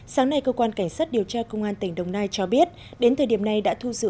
sáng nay cơ quan cảnh sát điều tra công an tỉnh đồng nai cho biết đến thời điểm này đã thu giữ